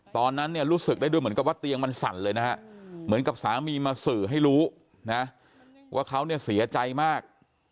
ตอนนั้นเนี่ยรู้สึกได้ด้วยเหมือนกับว่าเตียงมันสั่นเลยนะฮะเหมือนกับสามีมาสื่อให้รู้นะว่าเขาเนี่ยเสียใจมาก